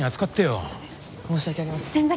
申し訳ありません。